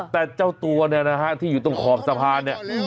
แต่เจ้าตัวเนี่ยนะฮะที่อยู่ตรงขอบสะพานเนี่ย